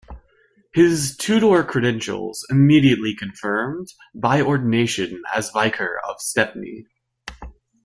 His Tudor credentials immediately confirmed by ordination as Vicar of Stepney.